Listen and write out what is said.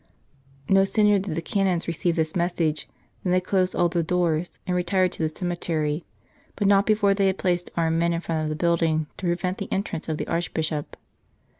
No sooner did the Canons receive this message than they closed all the doors, and retired to the cemetery, but not before they had placed armed men in front of the building to prevent the entrance of the Archbishop.